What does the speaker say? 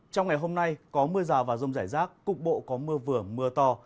trong ngày hôm nay có mưa rào và rông rải rác cục bộ có mưa vừa mưa to